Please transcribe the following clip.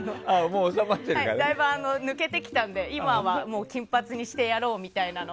だいぶ抜けてきたので今は金髪にしてやろうとか。